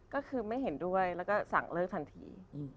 ก็คือไม่เห็นด้วยแล้วก็สั่งเลิกทันที